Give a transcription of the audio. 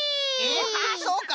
あっそうか！